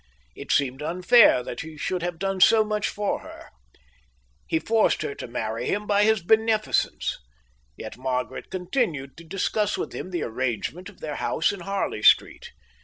It seemed unfair that he should have done so much for her. He forced her to marry him by his beneficence. Yet Margaret continued to discuss with him the arrangement of their house in Harley Street.